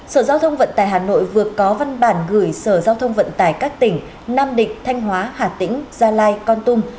sở giao thông vận tải hà nội vừa có văn bản gửi sở giao thông vận tải các tỉnh nam định thanh hóa hà tĩnh gia lai con tum